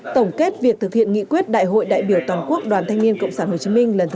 tổng kết việc thực hiện nghị quyết đại hội đại biểu toàn quốc đoàn thanh niên cộng sản hồ chí minh lần thứ một mươi một